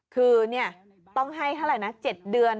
คือต้องให้เท่าไหร่นะ๗เดือน